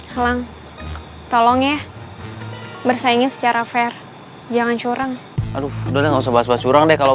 helang tolong ya bersaingnya secara fair jangan curang aduh udah nggak usah basur basur deh kalau